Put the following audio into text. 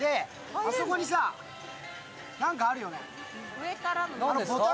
あそこにさ、何かあるよね。